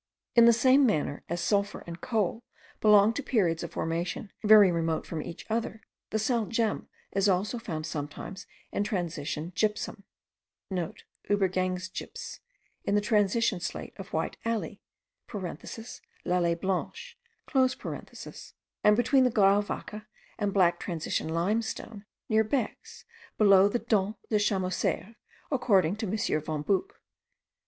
In the same manner as sulphur and coal belong to periods of formation very remote from each other, the sal gem is also found sometimes in transition gypsum,* (* Uebergangsgyps, in the transition slate of White Alley (l'Allee Blanche), and between the grauwacke and black transition limestone near Bex, below the Dent de Chamossaire, according to M. von Buch.)